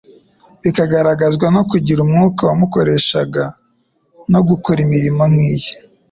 bikagaragazwa no kugira umwuka wamukoreshaga, no gukora imirimo nk'iye.